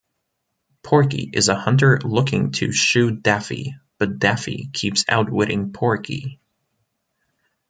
Porky is a hunter looking to shoot Daffy, but Daffy keeps outwitting Porky.